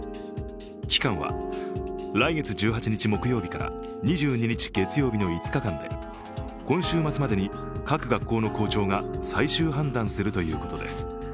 期間は来月１８日木曜日から２２日月曜日の５日間で今週末までに各学校の校長が最終判断するということです。